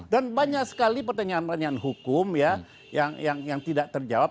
dan banyak sekali pertanyaan pertanyaan hukum ya yang tidak terjawab